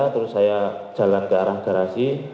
terus saya jalan ke arah garasi